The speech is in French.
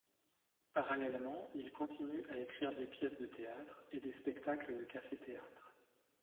Parallèlement, il continue à écrire des pièces de théâtre et des spectacles de café-théâtre.